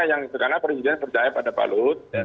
karena presiden percaya pada pak luhut